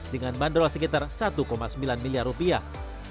dengan bandrol sekitar satu sembilan miliar rupiah